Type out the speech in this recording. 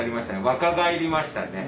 若返りましたね。